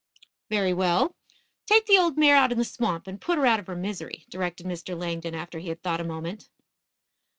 "Very well, take the old mare out in the swamp and put her out of her misery," directed Mr. Langdon after he had thought a moment.